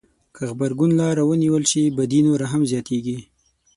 که غبرګون لاره ونیول شي بدي نوره هم زياتېږي.